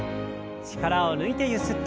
力を抜いてゆすって。